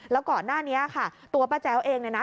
แล้วก่อนหน้านี้ค่ะตัวป้าแจ้วเองเนี่ยนะ